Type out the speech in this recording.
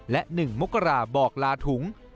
และ๑มกราบอกลาถุง